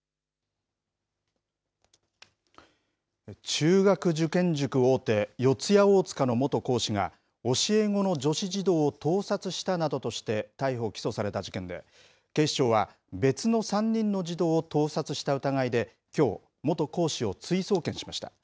中学受験塾大手、四谷大塚の元講師が、教え子の女子児童を盗撮したなどとして逮捕・起訴された事件で、警視庁は、別の３人の児童を盗撮した疑いで、きょう、元講師を追送検しました。